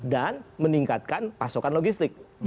dan meningkatkan pasokan logistik